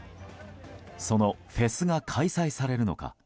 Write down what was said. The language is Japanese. そのフェスが開催されるのか。